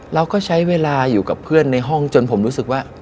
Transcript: เราก็ใช้เวลาอยู่กับเพื่อนในห้องจนผมรู้สึกว่า